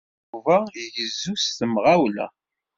Yuba igezzu s temɣawla.